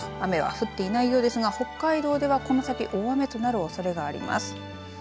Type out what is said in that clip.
降っていないようですが北海道ではこの先大雨となるおそれがあります。